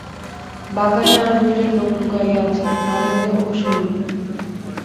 বাগানে আর দুইজন লোক লুকাইয়া আছে, নরেন্দ্র ও স্বরূপ।